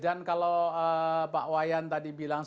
dan kalau pak wayan tadi bilang